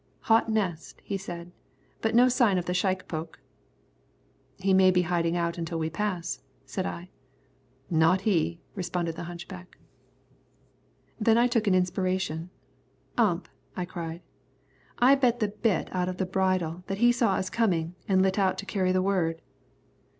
"Hot nest," he said, "but no sign of the shikepoke." "He may be hiding out until we pass," said I. "Not he," responded the hunchback. Then I took an inspiration. "Ump," I cried, "I'll bet the bit out of the bridle that he saw us coming and lit out to carry the word!"